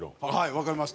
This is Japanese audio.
わかりました。